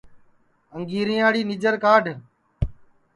انگریاڑِ نیجر کاڈھ